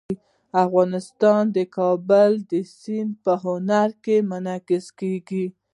افغانستان کې د کابل سیند په هنر کې منعکس کېږي.